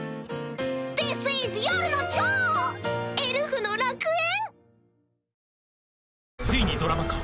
ディスイズ夜の蝶エルフの楽園！